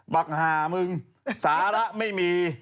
บักหามึงสาระไม่มี